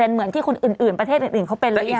เหมือนที่คนอื่นประเทศอื่นเขาเป็นหรือยัง